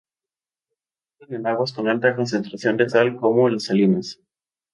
Habitan en aguas con altas concentraciones de sal como las salinas.